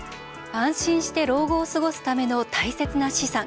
安心して老後を過ごすための大切な資産。